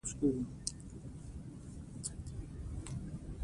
کلک ایمان ولړزوي دا ځینې مینې